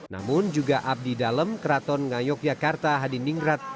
namun juga abdi dalam keraton ngayok yakarta hadin ningrat